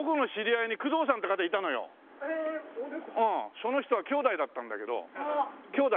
その人は兄弟だったんだけど兄弟？